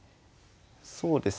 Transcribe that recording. そうですね。